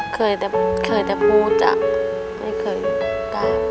เคยแต่พูดจ้ะไม่เคยได้